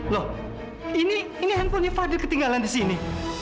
loh ini handphonenya fadil ketinggalan di sini